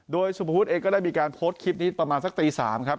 โดยสุภวุฒิเองก็ได้มีการโพสต์คลิปนี้ประมาณสักตี๓ครับ